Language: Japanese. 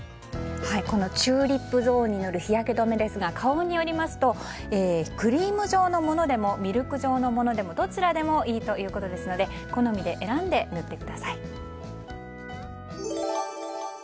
チューリップゾーンに塗る日焼け止めですが花王によりますとクリーム状のものでもミルク状のものでもどちらでもいいということですので好みで選んで塗ってください。